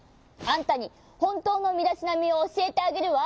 あんたにほんとうのみだしなみをおしえてあげるわ。